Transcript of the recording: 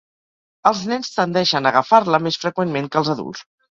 Els nens tendeixen a agafar-la més freqüentment que els adults.